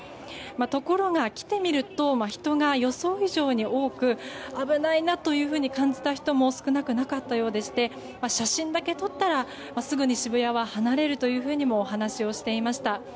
ところが、来てみると人が予想以上に多く危ないなと感じた人も少なくなかったようでして写真だけ撮ったらすぐに、渋谷は離れるというふうにもお話をされていました。